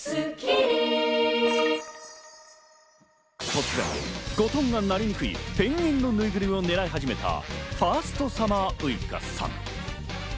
突然、ゴトンが鳴りにくい、ペンギンのぬいぐるみを狙い始めたファーストサマーウイカさん。